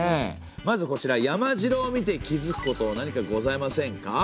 まずこちら山城を見て気づくこと何かございませんか？